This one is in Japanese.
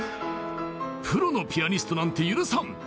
プロのピアニストなんて許さん！